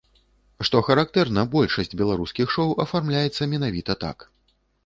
Што характэрна, большасць беларускіх шоу афармляецца менавіта так.